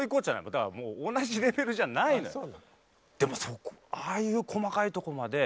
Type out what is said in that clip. だからもう同じレベルじゃないのよ。